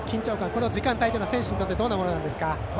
この時間帯は選手にとってどんなものですか？